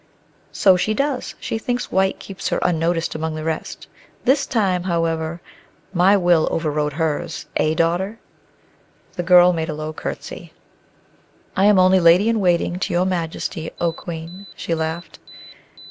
"So she does; she thinks white keeps her unnoticed among the rest. This time, however, my will overrode hers. Eh, Daughter?" The girl made a low courtesy. "I am only lady in waiting to your Majesty, O Queen," she laughed.